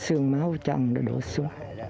xương máu chẳng đã đổ xuống